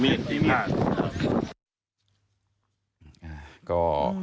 ไม่ค่อยเอาไปที่แน่นหน้า